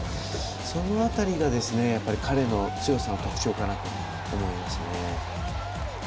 その辺りが彼の強さの特徴かなと思いますね。